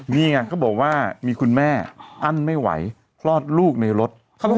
มีมีคนแม่อั้นไม่ไหวปลอดลูกในรถ